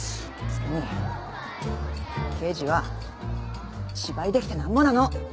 それに刑事は芝居できてなんぼなの。